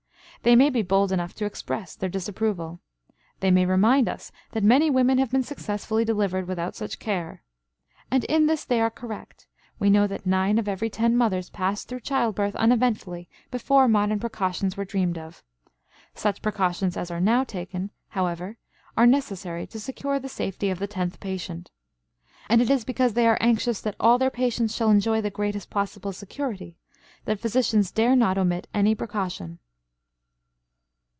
They may be bold enough to express their disapproval. They may remind us that many women have been successfully delivered without such care. And in this they are correct; we know that nine of every ten mothers passed through childbirth uneventfully before modern precautions were dreamed of. Such precautions as are now taken, however, are necessary to secure the safety of the tenth patient. And it is because they are anxious that all their patients shall enjoy the greatest possible security that physicians dare not omit any precaution.